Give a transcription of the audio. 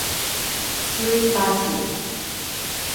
Suribachi.